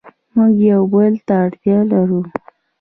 موږ یو بل ته اړتیا لرو.